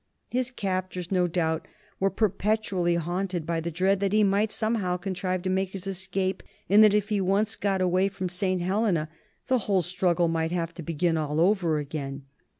His captors, no doubt, were perpetually haunted by the dread that he might somehow contrive to make his escape, and that if he once got away from St. Helena the whole struggle might have to begin all over again.